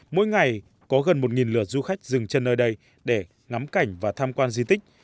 mỗi ngày có gần một lượt du khách dừng chân nơi đây để ngắm cảnh và tham quan di tích